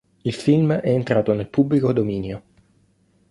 Il film è entrato nel pubblico dominio.